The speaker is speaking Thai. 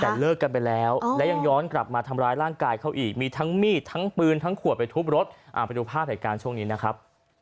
แต่เลิกกันไปแล้วและยังย้อนกลับมาทำร้ายร่างกายเขาอีกมีทั้งมีดทั้งปืนทั้งขวดไปทุบรถไปดูภาพเหตุการณ์ช่วงนี้นะครับ